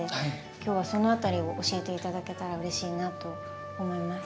今日はその辺りを教えて頂けたらうれしいなと思います。